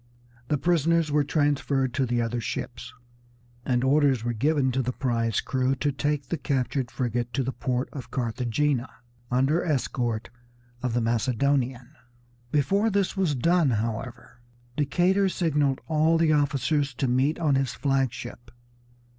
The prisoners were transferred to the other ships, and orders were given to the prize crew to take the captured frigate to the port of Carthagena, under escort of the Macedonian. Before this was done, however, Decatur signaled all the officers to meet on his flag ship.